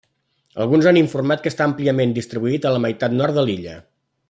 Alguns han informat que està àmpliament distribuït a la meitat nord de l'illa.